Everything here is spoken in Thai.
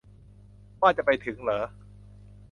ว่าจะไปถึงเหรอ